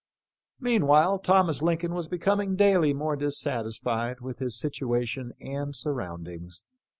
Meanwhile Thomas Lincoln was becoming daily more dissatisfied with his situation and surround ings.